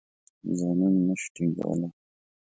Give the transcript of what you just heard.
ځانونه نه شي ټینګولای.